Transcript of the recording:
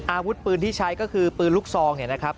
อาวุธปืนที่ใช้ก็คือปืนลูกซองเนี่ยนะครับ